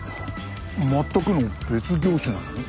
全くの別業種なのに？